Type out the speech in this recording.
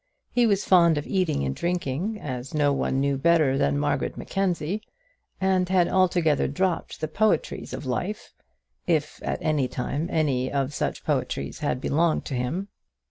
He was fond of eating and drinking, as no one knew better than Margaret Mackenzie; and had altogether dropped the poetries of life, if at any time any of such poetries had belonged to him.